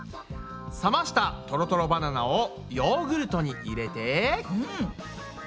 冷ましたトロトロバナナをヨーグルトに入れて。